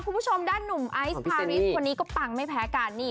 คุณผู้ชมด้านหนุ่มไอซ์พาริสคนนี้ก็ปังไม่แพ้กันนี่